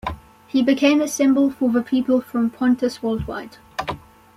He became a symbol for the people from Pontus worldwide.